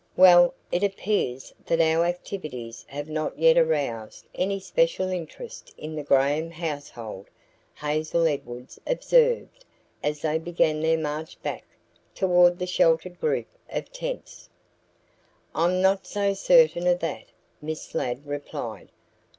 "Well, it appears that our activities have not yet aroused any special interest in the Graham household," Hazel Edwards observed as they began their march back toward the sheltered group of tents. "I'm not so certain of that," Miss Ladd replied.